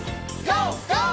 ＧＯ！